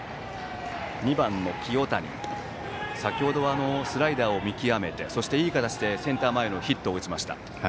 ２番の清谷、先程はスライダーを見極めていい形でセンター前へのヒットを打ちました。